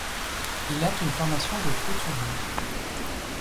Il a une formation de couturier.